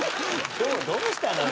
今日どうしたのよ。